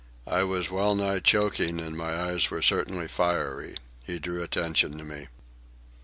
I was well nigh choking, and my eyes were certainly fiery. He drew attention to me.